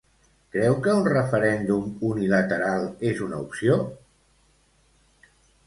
Creu que un referèndum unilateral és una opció?